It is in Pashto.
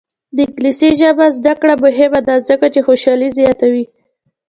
د انګلیسي ژبې زده کړه مهمه ده ځکه چې خوشحالي زیاتوي.